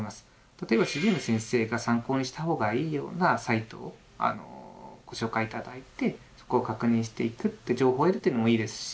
例えば主治医の先生に参考にした方がいいようなサイトをご紹介頂いてそこを確認していく情報を得るというのもいいですし。